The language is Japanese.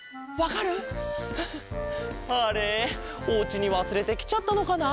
おうちにわすれてきちゃったのかなあ？